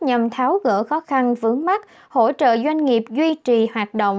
nhằm tháo gỡ khó khăn vướng mắt hỗ trợ doanh nghiệp duy trì hoạt động